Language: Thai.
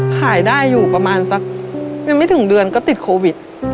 ขายได้อยู่ประมาณสักยังไม่ถึงเดือนก็ติดโควิด